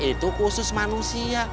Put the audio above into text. itu khusus manusia